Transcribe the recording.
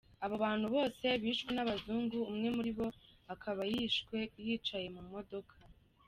Abo bantu bose bishwe n'abazungu, umwe muri bo akaba yishwe yicaye mu modoka.